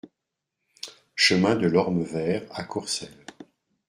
Chemin de l'Orme Vert à Courcelles